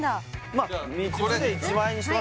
まあ３つで１万円にします？